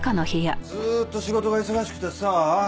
ずーっと仕事が忙しくてさ。